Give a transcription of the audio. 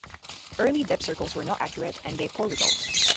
Early dip circles were not accurate and gave poor results.